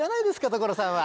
所さんは。